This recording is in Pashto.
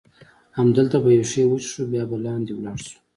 همدلته به یو شی وڅښو، بیا به لاندې ولاړ شو.